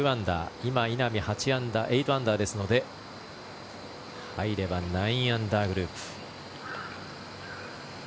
今、稲見８アンダーですので入れば９アンダーグループ。